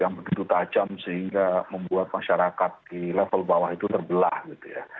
yang begitu tajam sehingga membuat masyarakat di level bawah itu terbelah gitu ya